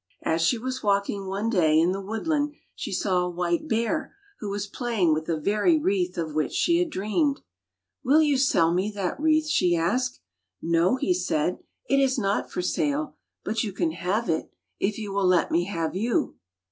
As she was walking one day in the wood land she saw a white bear who was playing 126 F airy T ale Bears with the very wreath of which she had dreamed. Will you sell me that wreath.^^ " she asked. "No," he said, "it is not for sale. But you can have it, if you will let me have you."